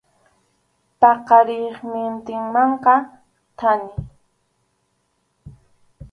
Paqariqnintinmanqa thani.